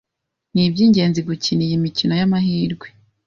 Ni iby’ingenzi gukina iyi mikino y’amahirwe